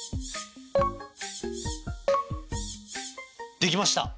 できました。